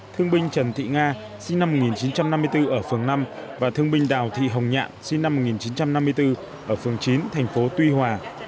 thương binh trần thị nga sinh năm một nghìn chín trăm năm mươi bốn ở phường năm và thương binh đào thị hồng nhạn sinh năm một nghìn chín trăm năm mươi bốn ở phường chín thành phố tuy hòa